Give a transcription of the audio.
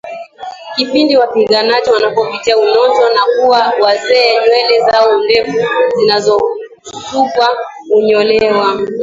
Kipindi wapiganaji wanapopitia Eunoto na kuwa wazee nywele zao ndefu zilizosukwa hunyolewa